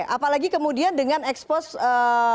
apalagi kemudian dengan expose